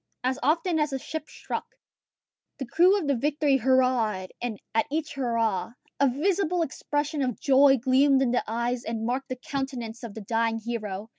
As often as a ship struck, the crew of the Victory hurrahed; and at each hurrah, a visible expression of joy gleamed in the eyes and marked the countenance of the dying hero.